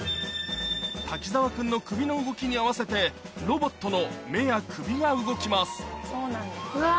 滝沢君の首の動きに合わせてロボットの目や首が動きますうわ！